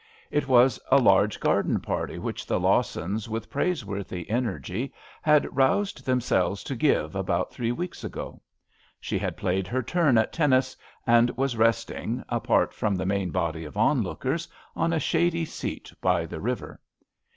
It was at a large garden party which the Lawsons, with praise worthy energy, had roused them selves to give about three weeks ago. She had played her turn at tennis and was resting, apart from the main body of onlookers, on a shady seat by the river.